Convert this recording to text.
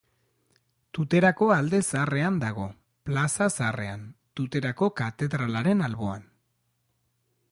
Tuterako Alde Zaharrean dago, Plaza Zaharrean, Tuterako katedralaren alboan.